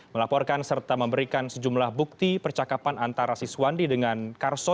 melaporkan serta memberikan sejumlah bukti percakapan antara siswandi dengan karso